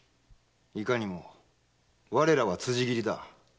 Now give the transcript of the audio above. いかにも我らは辻斬りだ。